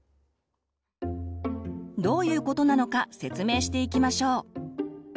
どういうことなのか説明していきましょう。